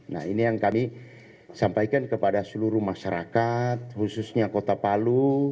nah ini yang kami sampaikan kepada seluruh masyarakat khususnya kota palu